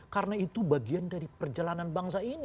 karena itu bagian dari perjalanan bangsa ini